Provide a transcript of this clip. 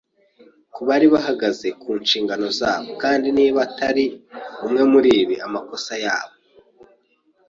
ku bari bahagaze ku nshingano zabo; kandi niba utari umwe muribi, amakosa yabo